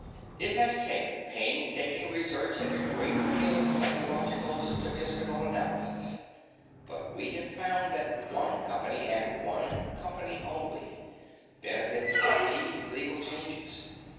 It has taken painstaking research and a great deal of psychological statistical analysis, but we have found that one company and one company only benefits by these legal changes.